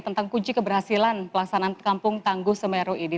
tentang kunci keberhasilan pelaksanaan kampung tangguh semeru ini